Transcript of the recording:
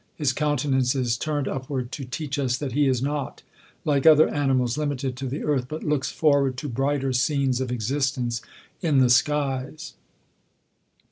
His countenance is turn ed upward, to teach us that he is not, like other animals, limited to the earth, but looks forward to brighter scenes of existence in'^he skies.